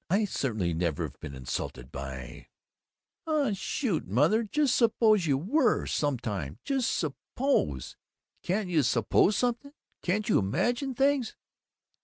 I certainly never've been insulted by " "Aw shoot, Mother, just suppose you were sometime! Just suppose! Can't you suppose something? Can't you imagine things?"